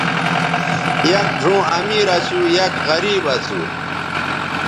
یک ڙھؤں امیر اسُو ،یک غریب اسُو